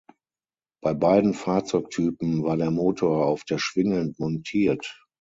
Bei beiden Fahrzeugtypen war der Motor auf der Schwinge montiert.